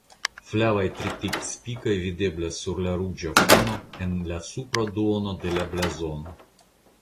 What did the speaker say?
Flavaj tritikspikoj videblas sur ruĝa fono en la supra duono de la blazono.